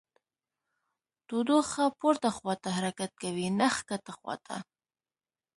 تودوخه پورته خواته حرکت کوي نه ښکته خواته.